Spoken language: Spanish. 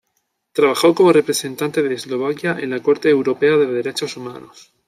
Trabajó como representante de Eslovaquia en la Corte Europea de Derechos Humanos.